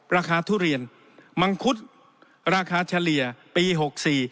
ทุเรียนมังคุดราคาเฉลี่ยปีหกสี่